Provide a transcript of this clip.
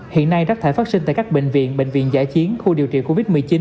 hiện nay rác thải phát sinh tại các bệnh viện bệnh viện giải chiến khu điều trị covid một mươi chín